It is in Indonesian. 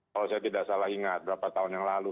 kalau saya tidak salah ingat berapa tahun yang lalu